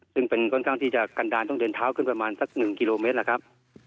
ซึ่งเป็นกระทั่งที่จะกันดารทั้งเด็นเท้าขึ้นประมาณสัก๑กิโลเมตรครับ